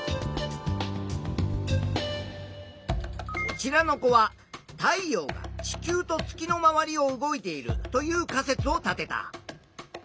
こちらの子は太陽が地球と月の周りを動いているという仮説を立てた。